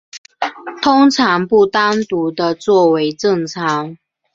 通常不单独地作为正餐。